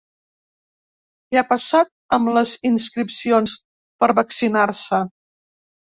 Què ha passat amb les inscripcions per a vaccinar-se?